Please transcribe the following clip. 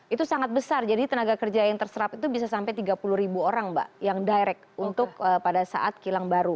itu sangat besar jadi tenaga kerja yang terserap itu bisa sampai tiga puluh ribu orang mbak yang direct untuk pada saat kilang baru